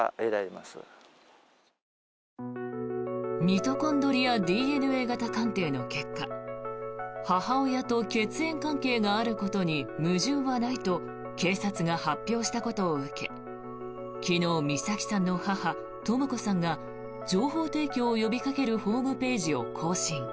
ミトコンドリアＤＮＡ型鑑定の結果母親と血縁関係があることに矛盾はないと警察が発表したことを受け昨日、美咲さんの母とも子さんが情報提供を呼びかけるホームページを更新。